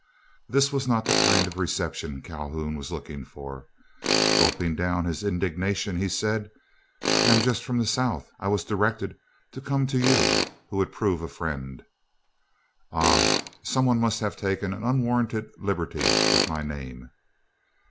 This was not the kind of reception Calhoun was looking for. Gulping down his indignation, he said: "I am just from the South, I was directed to come to you, who would prove a friend." "Ah! some one must have taken an unwarranted liberty with my name."